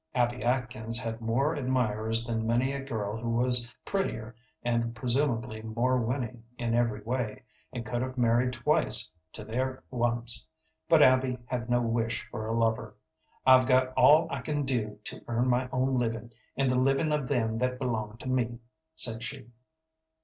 Abby Atkins had more admirers than many a girl who was prettier and presumably more winning in every way, and could have married twice to their once. But Abby had no wish for a lover. "I've got all I can do to earn my own living and the living of them that belong to me," said she.